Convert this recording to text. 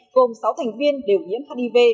gồm sáu thành viên điều nhiễm hdv